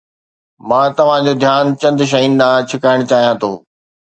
مان توهان جو ڌيان چند شين ڏانهن ڇڪائڻ چاهيان ٿو.